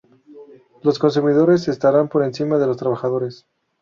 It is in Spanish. Los consumidores estarán por encima de los trabajadores.